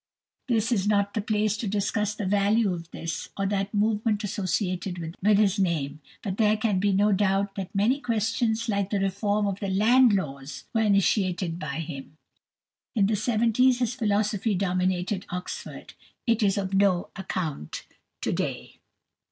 This is not the place to discuss the value of this or that movement associated with his name; but there can be no doubt that many questions, like the reform of the land laws, were initiated by him. In the seventies his philosophy dominated Oxford. It is of no account to day.